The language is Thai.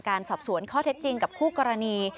สอบสวนข้อเท็จจริงกับคู่กรณี